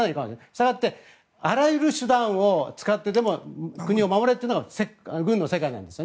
したがってあらゆる手段を使ってでも国を守れというのが軍の世界なんです。